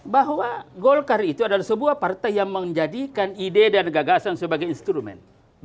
bahwa golkar itu adalah sebuah partai yang menjadikan ide dan gagasan sebagai instrumen